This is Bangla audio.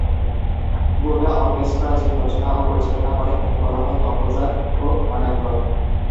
গোটা অর্কেস্ট্রা যিনি রচনা ও পরিচালনা করেন তাকে বলা হয় কম্পোজার ও কন্ডাক্টর।